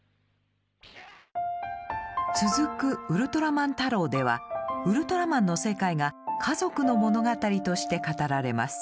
続く「ウルトラマンタロウ」ではウルトラマンの世界が家族の物語として語られます。